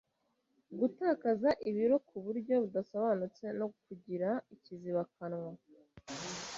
Gutakaza ibiro ku buryo budasobanutse, no kugira ikizibakanwa